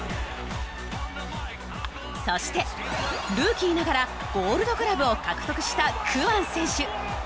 そしてルーキーながらゴールドグラブを獲得したクワン選手。